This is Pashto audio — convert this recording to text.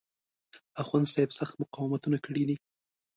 اخوندصاحب سخت مقاومتونه کړي دي.